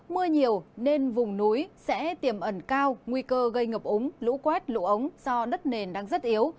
mưa nhiều nên vùng núi sẽ tiềm ẩn cao nguy cơ gây ngập ống lũ quét lũ ống do đất nền đang rất yếu